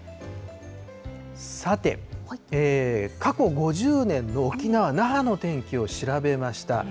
さて過去５０年の沖縄・那覇の天気を調べました。